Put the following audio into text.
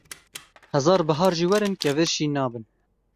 Hezar bihar jî werin, kevir şîn nabin.